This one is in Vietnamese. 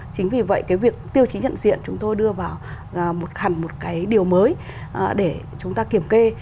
chính vì vậy cái việc tiêu chí nhận diện chúng tôi đưa vào một hẳn một cái điều mới để chúng ta kiểm kê